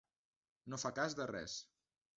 No fa cas de res.